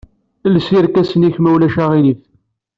Els irkasen-ik, ma ulac aɣilif.